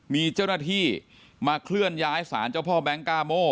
มีเจ้าหน้าที่มาเคลื่อนย้ายสารเจ้าพ่อแก๊งกาโม่